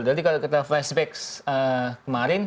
jadi kalau kita flashback kemarin